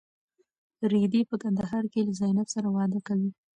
رېدی په کندهار کې له زینب سره واده کوي.